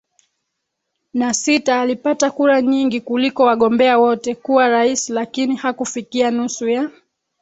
na sita alipata kura nyingi kuliko wagombea wote kuwa rais lakini hakufikia nusu ya